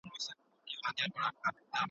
نوښت د ژوند د ښکلا لپاره دی.